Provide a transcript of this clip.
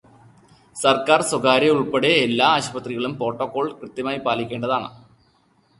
സര്ക്കാര്, സ്വകാര്യം ഉള്പ്പെടെ എല്ലാ ആശുപത്രികളും പ്രോട്ടോകോള് കൃത്യമായി പാലിക്കേണ്ടതാണ്.